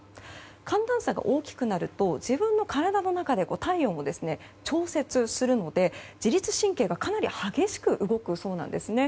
寒暖差が大きくなると自分の体の中で体温を調節するので自律神経がかなり激しく動くそうなんですね。